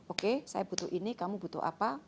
oke saya butuh ini kamu butuh apa